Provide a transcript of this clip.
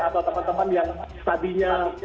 atau teman teman yang tadinya